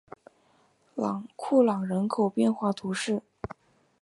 库朗人口变化图示